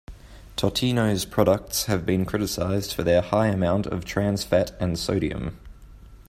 Totino's products have been criticized for their high amount of trans fat and sodium.